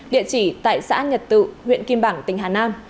địa chỉ tại xã nhật tự huyện kim bảng tỉnh hà nam